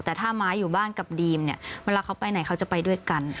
แต่ถ้าไม้อยู่บ้านกับดีมเนี่ยเวลาเขาไปไหนเขาจะไปด้วยกัน